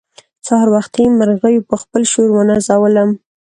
سهار وختي مرغيو په خپل شور ونازولم.